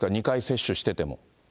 ２回接種してても。